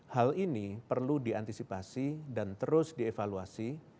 hal ini perlu diantisipasi dan terus dievaluasi